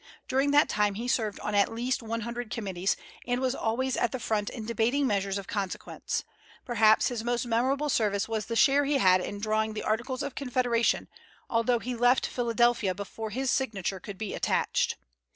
During that time he served on at least one hundred committees, and was always at the front in debating measures of consequence. Perhaps his most memorable service was the share he had in drawing the Articles of Confederation, although he left Philadelphia before his signature could be attached.